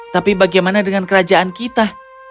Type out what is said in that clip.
tapi bagaimana dengan kerajaan kita